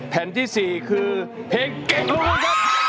แผ่นที่๔คือเพลงเก่งของคุณครับ